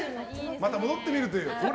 また戻ってみるという。